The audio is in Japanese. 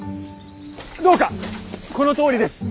どうかこのとおりです。